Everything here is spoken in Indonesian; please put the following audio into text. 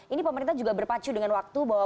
ini pemerintah juga berpacu dengan waktu bahwa